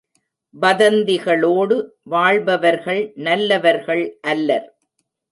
வதந்திகளோடு வாழ்பவர்கள் நல்லவர்கள் அல்லர்.